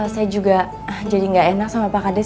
saya juga jadi nggak enak sama pak kades